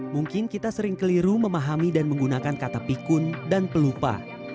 mungkin kita sering keliru memahami dan menggunakan kata pikun dan pelupa